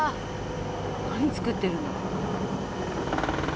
何作ってるんだ？